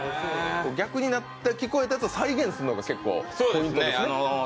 逆になって聞こえたのを再現するのがポイントですね。